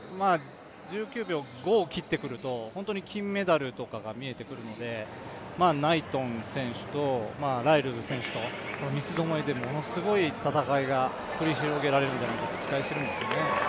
１９秒５を切ってくると、金メダルとかが見えてくるのでナイトン選手とライルズ選手と三つどもえでものすごい戦いが繰り広げられるんじゃないかと期待しているんですけどね。